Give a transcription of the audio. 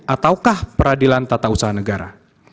ataukah peradilan tata usaha negara